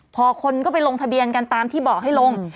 พอคนก็ไปลงทะเบียนกันตามที่บอกให้ลง